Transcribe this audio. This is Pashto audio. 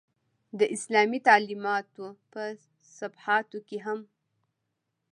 د اسلامي تعلمیاتو په صفحاتو کې هم.